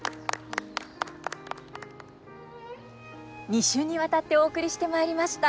２週にわたってお送りしてまいりました